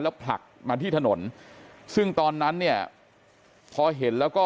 ผลักมาที่ถนนซึ่งตอนนั้นเนี่ยพอเห็นแล้วก็